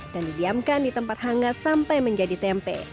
dan dibiamkan di tempat hangat sampai menjadi tempe